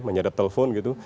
menyadap telepon gitu